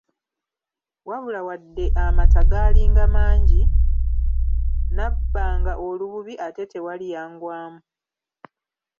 Wabula wadde amata gaalinga mangi, nabbanga olububi ate tewali yangwamu.